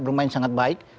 bermain sangat baik